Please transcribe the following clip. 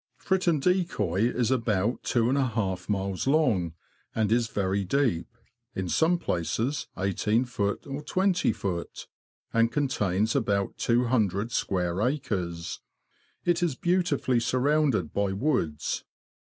Fritton Decoy is about two and a half miles long, and is very deep (in some places i8ft. or 2oft.), and contains about 200 square acres. It is beautifully surrounded by woods.